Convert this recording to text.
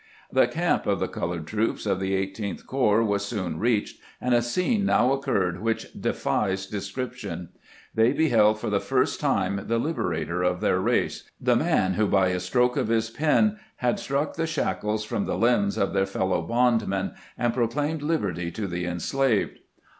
The camp of the colored troops of the Eighteenth Corps was soon reached, and a scene now occurred which defies description. They beheld for the first time the liberator of their race — the man who by a stroke of his pen had struck the shackles from the limbs of their fellow bondmen and proclaimed liberty to the enslaved.